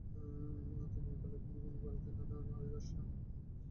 দিনের বেলা কোনো কোনো বাড়িতে নারীরা আসছেন, আবার সন্ধ্যার আগে চলে যাচ্ছেন।